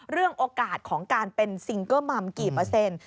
โอกาสของการเป็นซิงเกิลมัมกี่เปอร์เซ็นต์